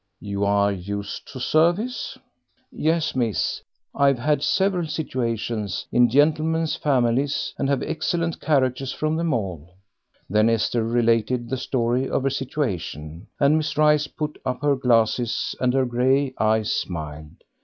"You are used to service?" "Yes, miss, I've had several situations in gentlemen's families, and have excellent characters from them all." Then Esther related the story of her situations, and Miss Rice put up her glasses and her grey eyes smiled.